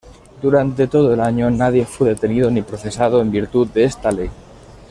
Durante todo el año nadie fue detenido ni procesado en virtud de esta ley.